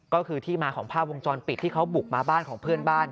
ก็คือที่มาของภาพวงจรปิดที่เขาบุกมาบ้านของเพื่อนบ้าน